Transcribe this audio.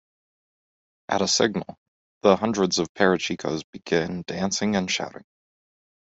At a signal, the hundreds of Parachicos begin dancing and shouting.